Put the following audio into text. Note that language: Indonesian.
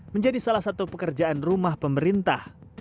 menjadi salah satu pekerjaan rumah pemerintah